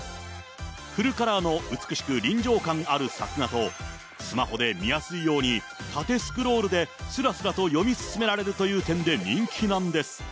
フルカラーの美しく臨場感ある作画と、スマホで見やすいように、縦スクロールで、すらすらと読み進められるという点で人気なんです。